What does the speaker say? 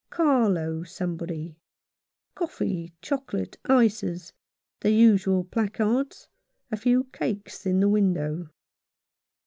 Carlo somebody —" Coffee, chocolate, ices," the usual placards, a few cakes in the window.